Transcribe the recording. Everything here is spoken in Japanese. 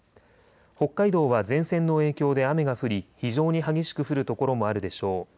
北海道は前線の影響で雨が降り非常に激しく降る所もあるでしょう。